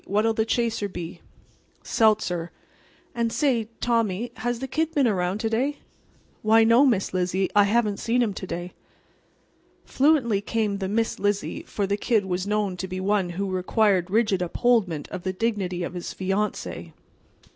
What'll the chaser be?" "Seltzer. And say, Tommy, has the Kid been around to day?" "Why, no, Miss Lizzie, I haven't saw him to day." Fluently came the "Miss Lizzie," for the Kid was known to be one who required rigid upholdment of the dignity of his fiancee.